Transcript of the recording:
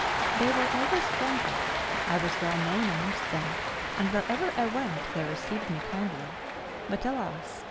They were always friendly ; I was well known amongst them, and wherever I went they received me kindly. But, alas